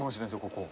ここ。